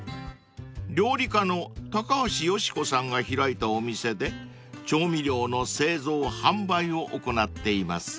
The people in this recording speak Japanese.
［料理家のたかはしよしこさんが開いたお店で調味料の製造販売を行っています］